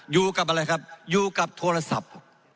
อยู่กับอะไรครับอยู่กับโทรศัพท์